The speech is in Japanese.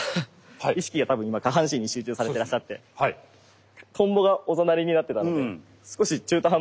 意識が多分今下半身に集中されてらっしゃって「蜻蛉」がおざなりになってたので少し中途半端な位置で。